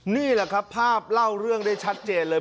นี่แหละครับภาพเล่าเรื่องได้ชัดเจนเลย